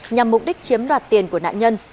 nhằm mục đích chiếm đoạt tiền của nạn nhân